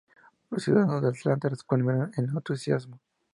Los ciudadanos de Atlanta respondieron con entusiasmo.